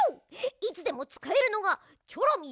いつでもつかえるのがチョロミー